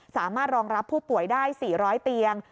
สามารถรองรับผู้ป่วยได้๔๐๐เตียง